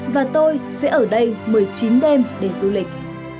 và tôi sẽ ở đây một mươi chín đêm để du lịch